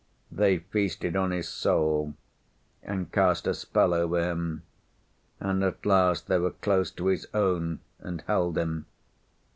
They feasted on his soul and cast a spell over him, and at last they were close to his own and held him.